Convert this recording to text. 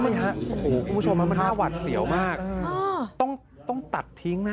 คุณผู้ชมมันห้าวัดเสียวมากต้องตัดทิ้งนะ